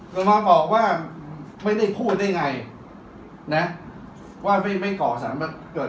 พี่ทีทีพี่น้องคนนี้ใช่ไหมเอาไว้ให้จ่ายน้อยเนี่ย